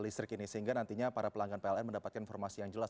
sehingga nantinya para pelanggan pln mendapatkan informasi yang jelas